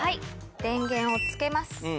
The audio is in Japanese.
電源をつけます。